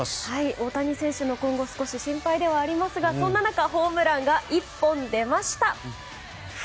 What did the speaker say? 大谷選手の今後も心配ですがそんな中ホームランが１本出ました。